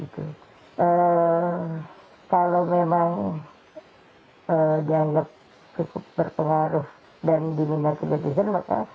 kalau memang dianggap cukup berpengaruh dan diminatisir